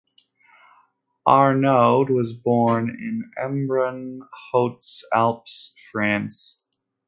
Arnaud was born in Embrun, Hautes-Alpes, France.